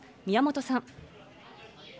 宮本さん。